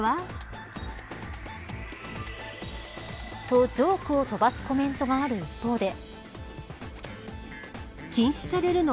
と、ジョークを飛ばすコメントがある一方で。